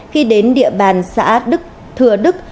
khi đến địa bàn xã thừa đức